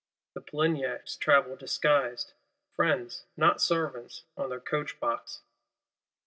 The Polignacs travel disguised; friends, not servants, on their coach box.